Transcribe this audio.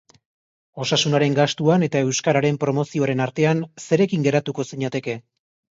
Osasunaren gastuan eta euskararen promozioaren artean, zerekin geratuko zinateke?